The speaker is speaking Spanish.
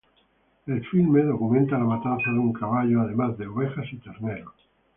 El filme documenta la matanza de un caballo, además de ovejas y terneros.